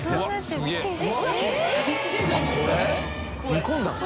煮込んだの？